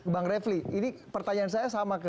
bang refli ini pertanyaan saya sama ke